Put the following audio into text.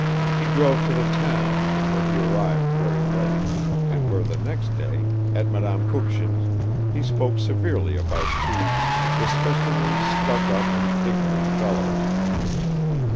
he drove to the town, where he arrived very late, and where the next day, at Madame Kukshin's he spoke severely about two "disgustingly stuck up and ignorant fellows."